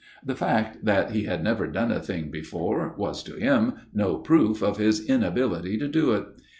The fact that he had never done a thing before was to him no proof of his inability to do it.